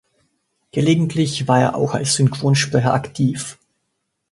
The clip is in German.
Gelegentlich war er auch als Synchronsprecher aktiv.